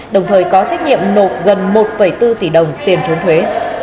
đồng thời có trách nhiệm nộp gần một bốn tỷ đồng tiền trốn thuế